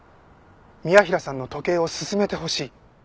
宮平さんの時計を進めてほしい。